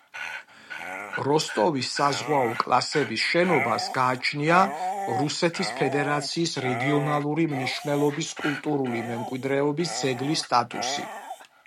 როსტოვის საზღვაო კლასების შენობას გააჩნია რუსეთის ფედერაციის რეგიონალური მნიშვნელობის კულტურული მემკვიდრეობის ძეგლის სტატუსი.